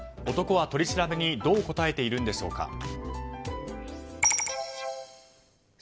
男は取り調べにどう答えているんでしょうか。